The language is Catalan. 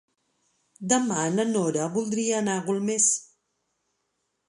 Demà na Nora voldria anar a Golmés.